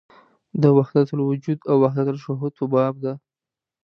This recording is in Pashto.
د وحدت الوجود او وحدت الشهود په باب ده.